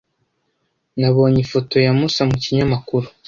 Nabonye ifoto ya Musa mu kinyamakuru.